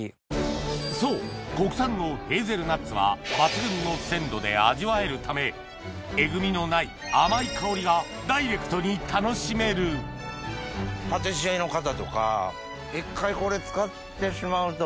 そう国産のヘーゼルナッツはで味わえるためえぐみのない甘い香りがダイレクトに楽しめるパティシエの方とか一回これ使ってしまうと。